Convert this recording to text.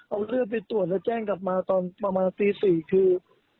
เอาเลือดไปตรวจแล้วแจ้งกลับมาตอนประมาณตี๔คือ